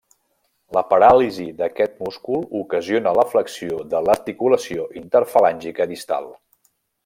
La paràlisi d'aquest múscul ocasiona la flexió de l'articulació interfalàngica distal.